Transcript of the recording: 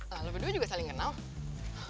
lalu berdua juga saling kenal